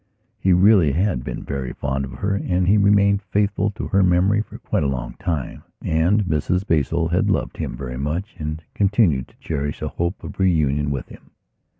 He really had been very fond of her, and he remained faithful to her memory for quite a long time. And Mrs Basil had loved him very much and continued to cherish a hope of reunion with him.